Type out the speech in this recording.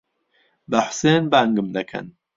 بە حوسێن بانگم دەکەن.